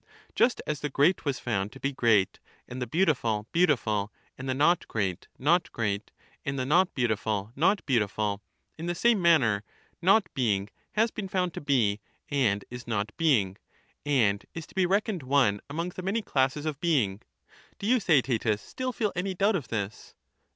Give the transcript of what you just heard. Just as the great was found to be great and the beautiful beautiful, and the not great not great, and the not beautiful not beautiful, in the same manner not being has been found to be and is not being, and is to be reckoned one among the many classes of being. Do you, Theaetetus, still feel any doubt of this